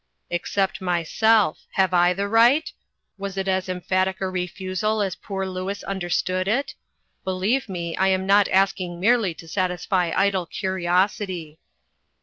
"Except myself. Have I the right? Was it as .emphatic a refusal as poor Louis un derstood it ? Believe me, I am not asking merety to gratify idle curiosity."